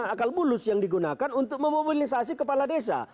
akal bulus yang digunakan untuk memobilisasi kepala desa